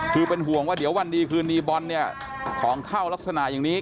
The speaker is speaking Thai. คือเป็นห่วงว่าเดี๋ยววันดีคืนดีบอลเนี่ยของเข้ารักษณะอย่างนี้